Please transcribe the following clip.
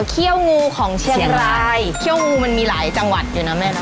เคี่ยวงูมันมีหลายจังหวัดอยู่นะแม่นะ